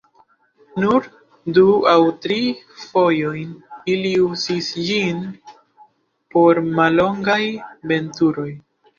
Nur du aŭ tri fojojn ili uzis ĝin por mallongaj veturoj.